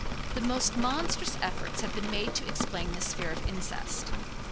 The most monstrous efforts have been made to explain this fear of incest.